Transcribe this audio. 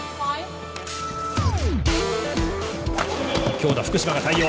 強打福島が対応。